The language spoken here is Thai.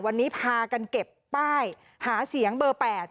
วันนี้พากันเก็บป้ายหาเสียงเบอร์๘